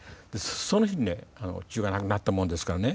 その日にね父親が亡くなったものですからね